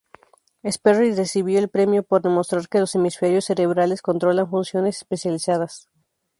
Sperry recibió el premio por demostrar que los hemisferios cerebrales controlan funciones especializadas.